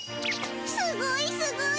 すごいすごい！